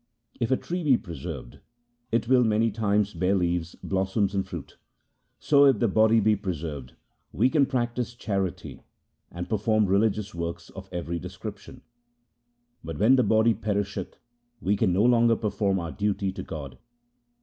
If a tree be preserved, it will many times bear leaves, blossoms, and fruit. So if the body be preserved, we can practise charity and perform religious works of every description ; but when the body perisheth, we can no longer perform our duty to God.